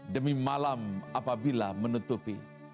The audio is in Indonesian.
demi malam apabila menutupi